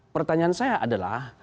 pertanyaan saya adalah